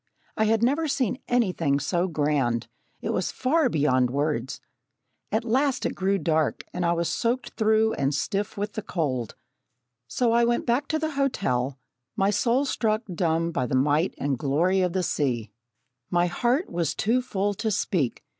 I had never seen anything so grand it was far beyond words. At last it grew dark and I was soaked through and stiff with the cold. So I went back to the hotel, my soul struck dumb by the might and glory of the sea. My heart was too full to speak.